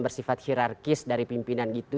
bersifat hirarkis dari pimpinan gitu